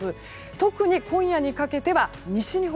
特に今夜にかけては西日本。